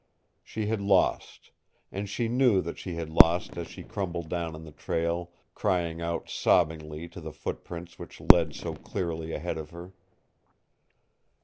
She had lost, and she knew that she had lost as she crumpled down in the trail, crying out sobbingly to the footprints which led so clearly ahead of her.